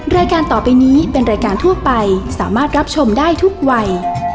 รายการต่อไปนี้เป็นรายการทั่วไปสามารถรับชมได้ทุกวัย